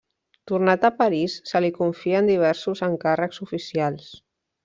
Tornat a París, se li confien diversos encàrrecs oficials.